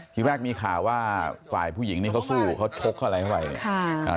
ทีแรกมีข่าวว่าฝ่ายผู้หญิงนี้เขาสู้เขาชกเขาอะไรเข้าไปเนี่ย